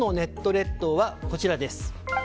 列島は、こちらです。